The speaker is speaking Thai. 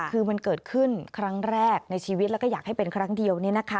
คือมันเกิดขึ้นครั้งแรกในชีวิตแล้วก็อยากให้เป็นครั้งเดียว